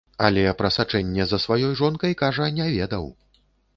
Але пра сачэнне за сваёй жонкай, кажа, не ведаў.